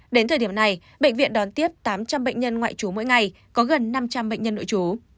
đến thời điểm này bệnh viện đón tiếp tám trăm linh bệnh nhân ngoại trú mỗi ngày có gần năm trăm linh bệnh nhân nội trú